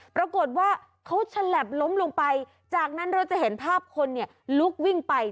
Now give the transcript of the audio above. ปรากฏว่าเขาฉลับล้มลงไปจากนั้นเราจะเห็นภาพคนลุกวิ่งไป